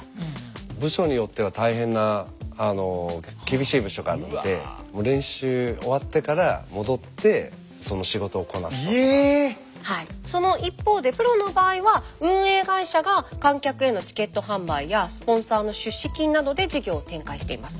部署によっては大変な厳しい部署があるのでその一方でプロの場合は運営会社が観客へのチケット販売やスポンサーの出資金などで事業を展開しています。